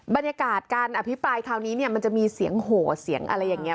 บรรยากาศการอภิปรายคราวนี้เนี่ยมันจะมีเสียงโหเสียงอะไรอย่างนี้